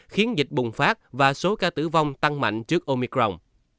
khiến dịch bùng phát và số ca tử vong tăng mạnh trước omicron